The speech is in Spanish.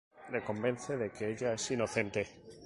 Le convence de que ella es inocente.